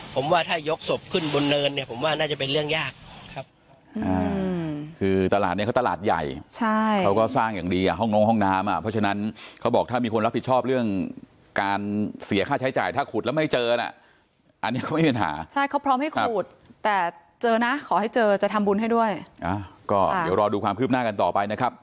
ผมว่าถ้ายกศพขึ้นบนเนินน่าจะเป็นเรื่องยากครับ